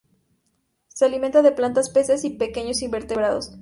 Se alimenta de plantas, peces y pequeños invertebrados.